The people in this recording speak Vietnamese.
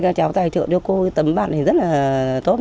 các cháu tài trợ cho cô tấm bạn này rất là tốt